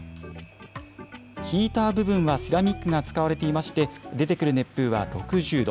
ヒーター部分はセラミックが使われていまして、出てくる熱風は６０度。